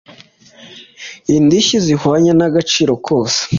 indishyi zihwanye n agaciro kose